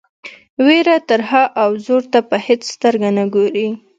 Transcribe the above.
وېره ترهه او زور ته په هیڅ سترګه ګوري.